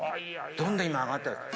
どんどん今上がってる。